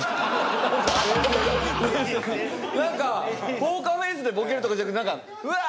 ポーカーフェースでボケるとかじゃなくてわあ！